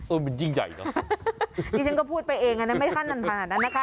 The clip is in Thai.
เออมันยิ่งใหญ่เนอะนี่ฉันก็พูดไปเองอันนั้นไม่ทันนะคะ